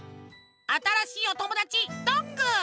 あたらしいおともだちどんぐー。